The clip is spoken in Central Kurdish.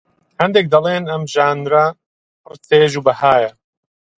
هەندێک دەڵێن ئەم ژانرە پڕ چێژ و بەهایە